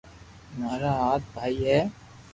مارا ھات ڀائي ھي